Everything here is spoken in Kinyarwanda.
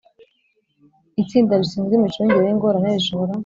Itsinda rishinzwe imicungire y ingorane rishobora